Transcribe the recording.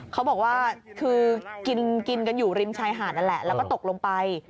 เขาบอกว่าคือกินกันอยู่ริมชายหาดนั่นแหละแล้วก็ตกลงไป